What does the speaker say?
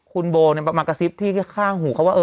คุณโบมากระซิบที่ข้างหูเขาว่า